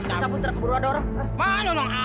kita puter keburu aja orang